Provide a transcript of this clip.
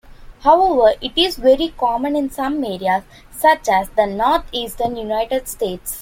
However, it is very common in some areas, such as the Northeastern United States.